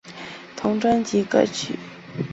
同专辑歌曲。